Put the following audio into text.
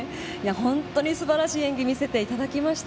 本当に素晴らしい演技を見せていただけました。